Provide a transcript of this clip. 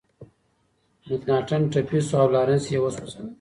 مکناتن ټپي شو او لارنس یې وسوځاوه.